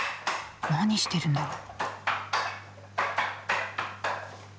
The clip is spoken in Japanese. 何してるんだろう？